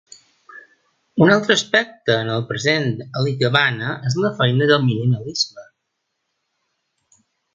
Un altre aspecte en el present a l'ikebana és la feina del minimalisme.